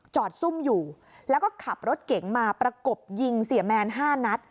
ซุ่มอยู่แล้วก็ขับรถเก๋งมาประกบยิงเสียแมน๕นัด